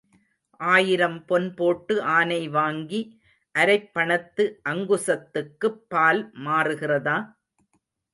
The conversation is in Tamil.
ஆயிரம் பொன் போட்டு ஆனை வாங்கி அரைப் பணத்து அங்குசத்துக்குப் பால் மாறுகிறதா?